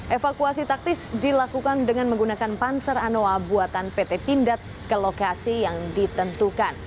evakuasi taktis dilakukan dengan menggunakan panser anoa buatan pt pindad ke lokasi yang ditentukan